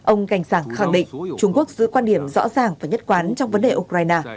ông cành sàng khẳng định trung quốc giữ quan điểm rõ ràng và nhất quán trong vấn đề ukraine